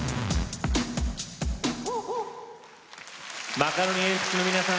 マカロニえんぴつの皆さん